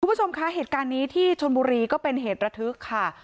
คุณผู้ชมคะเหตุการณ์นี้ที่ชนบุรีก็เป็นเหตุระทึกค่ะ